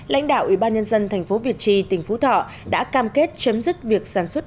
lãnh đạo ủy ban nhân dân thành phố việt trì tỉnh phú thọ đã cam kết chấm dứt việc sản xuất